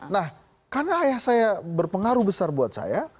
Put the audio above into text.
nah karena ayah saya berpengaruh besar buat saya